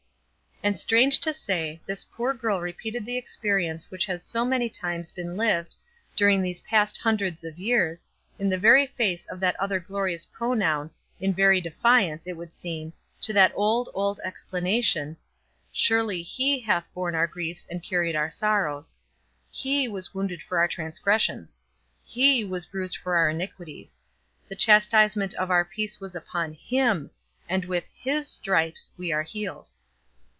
And strange to say, this poor girl repeated the experience which has so many times been lived, during these past hundreds of years, in the very face of that other glorious pronoun, in very defiance, it would seem, to that old, old explanation: "Surely he hath borne our griefs and carried our sorrows." "He was wounded for our transgressions; he was bruised for our iniquities. The chastisement of our peace was upon him: and with his stripes we are healed."